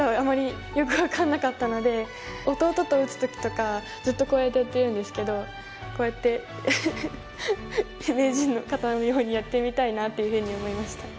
弟と打つ時とかずっとこうやってやってるんですけどこうやって名人の方のようにやってみたいなっていうふうに思いました。